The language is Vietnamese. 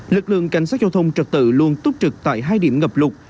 lực lượng cảnh sát giao thông trật tự luôn túc trực tại hai điểm ngập lụt